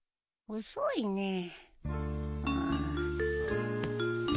遅いねえ。